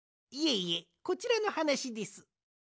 いえいえこちらのはなしです。